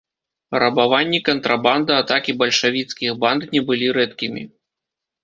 Рабаванні, кантрабанда, атакі бальшавіцкіх банд не былі рэдкімі.